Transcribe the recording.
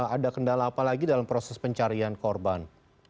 ada kendala apa lagi dalam proses pencarian korban